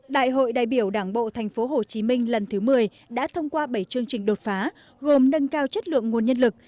đại hội đại biểu đảng bộ tp hcm lần thứ một mươi đã thông qua bảy chương trình đột phá gồm nâng cao chất lượng nguồn nhân lực